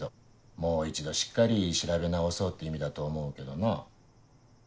もう一度しっかり調べ直そうって意味だと思うけどな。